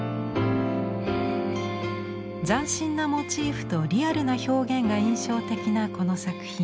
斬新なモチーフとリアルな表現が印象的なこの作品。